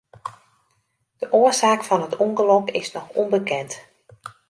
De oarsaak fan it ûngelok is noch ûnbekend.